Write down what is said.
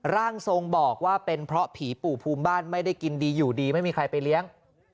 ร่างทรงบอกว่าเป็นเพราะผีปู่ภูมิบ้านไม่ได้กินดีอยู่ดีไม่มีใครไปเลี้ยง